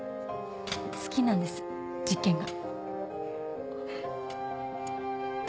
好きなんです実験が。